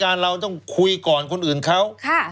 เราต้องคุยก่อนคนอื่นเขา